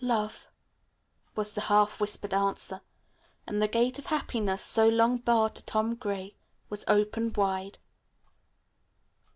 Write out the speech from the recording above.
"Love," was the half whispered answer. And the gate of happiness, so long barred to Tom Gray, was opened wide.